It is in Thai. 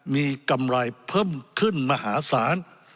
มีกำไรเพิ่มขึ้นมหาศาล